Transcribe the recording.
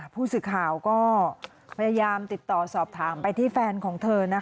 พูดสิทธิ์ค่าวก็พยายามติดต่อสอบถามไปที่แฟนของเธอนะคะ